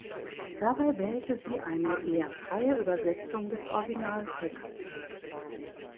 Dabei wählte sie eine eher freie Übersetzung des Originaltextes.